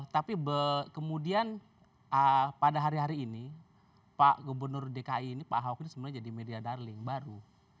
tapi kemudian pada hari hari ini pak gubernur dki ini pak ahok ini sebenarnya jadi media darling baru